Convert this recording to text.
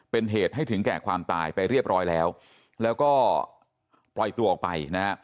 เป็นเหตุให้ถึงแก่ความตายไปเรียบร้อยแล้วแล้วก็ปล่อยตัวออกไปนะฮะ